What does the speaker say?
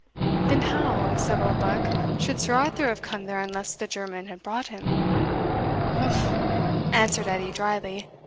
"Then how," said Oldbuck, "should Sir Arthur have come there unless the German had brought him?" "Umph!" answered Edie drily.